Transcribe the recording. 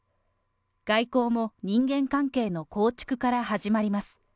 外交も人間関係の構築から始まります。